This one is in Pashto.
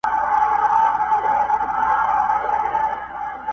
صحرايي چي ورته وکتل حیران سو.!